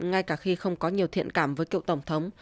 ngay cả khi không có nhiều thiện cảm với cựu tổng thống